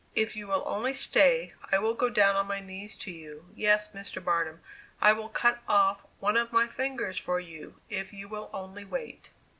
If you will only stay, I will go down on my knees to you; yes, Mr. Barnum, I will cut off one of my fingers for you, if you will only wait."